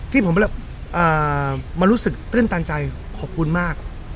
ที่ผมแบบอ่ามารู้สึกตื่นตามใจขอบคุณมาก